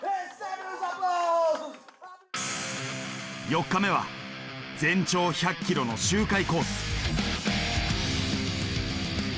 ４日目は全長１００ｋｍの周回コース。